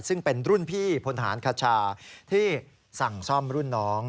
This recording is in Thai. ซึ่งเป็นรุ่นพี่พลฐานคชาที่สั่งซ่อมรุ่นน้อง